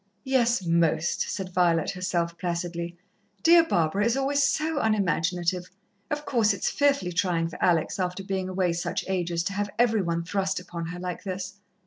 "Yes, most," said Violet herself placidly. "Dear Barbara is always so unimaginative. Of course, it's fearfully trying for Alex, after being away such ages, to have every one thrust upon her like this."